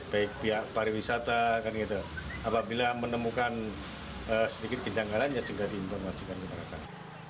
baik pihak pariwisata apabila menemukan sedikit kencanggalan ya juga diimplementasikan kepada kami